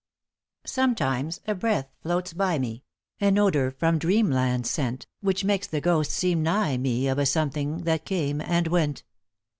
* Sometimes a breath floats by me, An odor from Dreamland sent, Which makes the ghost seem nigh me Of a something that came and went.